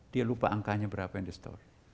dia lupa angkanya berapa yang di store